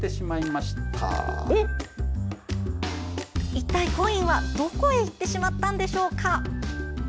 一体コインは、どこへ行ってしまったのでしょうか？